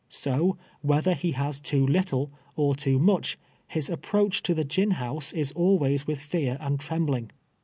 So, whether he has too little or too much, his approach to the gin house is always with fear and trembling.